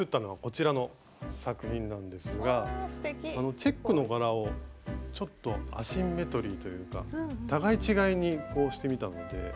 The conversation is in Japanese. チェックの柄をちょっとアシンメトリーというか互い違いにこうしてみたので。